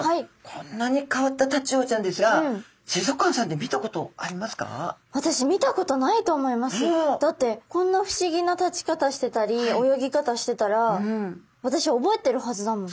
こんなに変わったタチウオちゃんですがだってこんな不思議な立ち方してたり泳ぎ方してたら私覚えてるはずだもん。